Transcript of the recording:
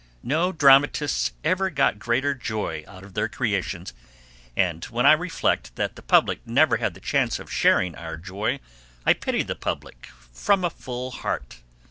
No dramatists ever got greater joy out of their creations, and when I reflect that the public never had the chance of sharing our joy I pity the public from a full heart.